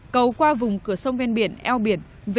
cầu qua vùng cửa sông ven biển eo biển